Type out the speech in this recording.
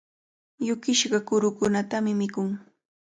Yukishqa kurukunatami mikun.